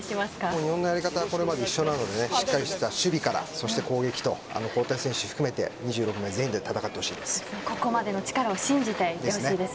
日本のやり方はこれまでと一緒なのでしっかりした守備からそして攻撃と交代選手含めて２６人全員で戦ってほしいです。